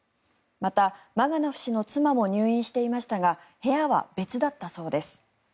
また、マガノフ氏の妻も入院していましたが部屋は別だったそうです。